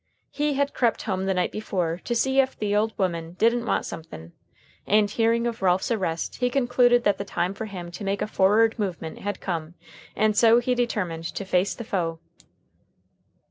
He had crept home the night before, "to see ef the ole woman didn't want somethin'," and hearing of Ralph's arrest, he concluded that the time for him to make "a forrard movement" had come, and so he determined to face the foe.